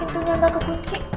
ternyata gak kekunci